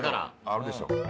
あるでしょ。